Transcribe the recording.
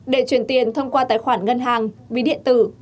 để truyền tiền thông qua tài khoản ngân hàng ví điện tử